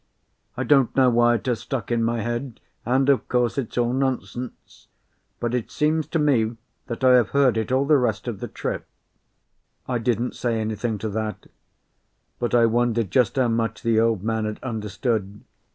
I don't know why it has stuck in my head, and of course it's all nonsense; but it seems to me that I have heard it all the rest of the trip." I didn't say anything to that, but I wondered just how much the Old Man had understood.